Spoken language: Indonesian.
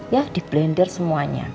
ya di blender semuanya